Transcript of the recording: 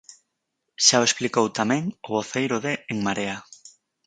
Xa o explicou tamén o voceiro de En Marea.